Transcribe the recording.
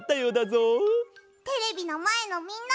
テレビのまえのみんな！